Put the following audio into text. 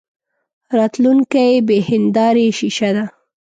راتلونکې بې هیندارې شیشه ده.